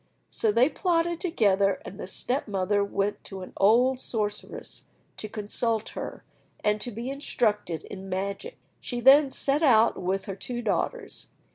So they plotted together, and the step mother went to an old sorceress to consult her, and to be instructed in magic. She then set out with her two daughters.